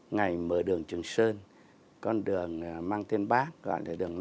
ngày mở đường trường sơn con đường mang tên bác gọi là đường năm trăm năm mươi chín